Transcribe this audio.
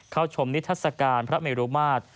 เข้าชมนิทัศกาลพระเมรุมาตร